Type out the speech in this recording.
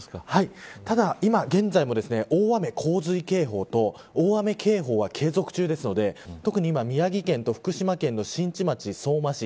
ただ今現在も、大雨洪水警報と大雨警報は継続中ですので特に今、宮城県と福島県の新地町、相馬市